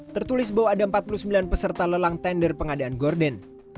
tertulis bahwa ada empat puluh sembilan peserta lelang tender pengadaan gorden